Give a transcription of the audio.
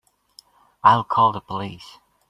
I'll call the police.